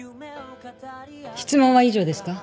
質問は以上ですか？